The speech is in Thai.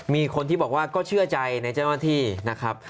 มีคนที่บอกว่าก็เชื่อใจในเจ้าหน้าที่นะครับ